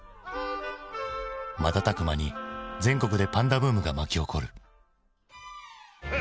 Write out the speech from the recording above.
瞬く間に全国でパンダブームが巻き起こる。